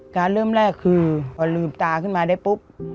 การเริ่มแรกคือพอลืมตาขึ้นมาได้ปุ๊บ